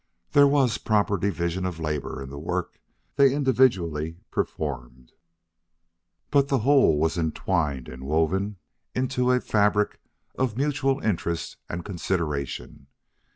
There was proper division of labor in the work they individually performed. But the whole was entwined and woven into a fabric of mutual interest and consideration.